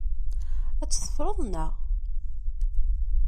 Ad tt-teffreḍ, naɣ?